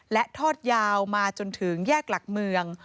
และทอดยาวมาจนถึงแยกหลักเมือง